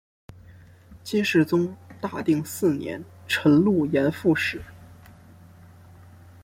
金世宗大定四年辰渌盐副使。